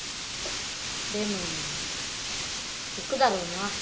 でも行くだろうな。